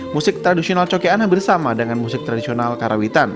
musik tradisional cokean hampir sama dengan musik tradisional karawitan